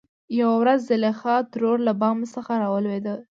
يوه ورځ زليخا ترور له بام څخه رالوېدلې وه .